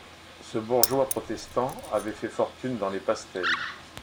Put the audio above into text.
Ce bourgeois protestant avait fait fortune dans les pastels.